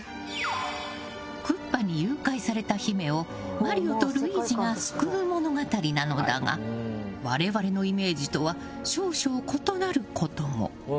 クッパに誘拐された姫をマリオとルイージが救う物語なのだが我々のイメージとは少々異なることも。